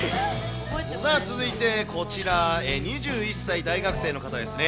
さあ、続いて、こちら、２１歳大学生の方ですね。